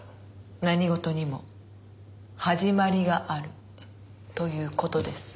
何事にも始まりがあるという事です。